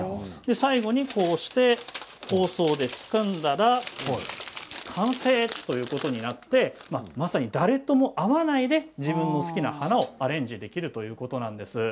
最後に包装紙で包んだら完成ということになってまさに誰とも会わないで自分の好きな花をアレンジできるということです。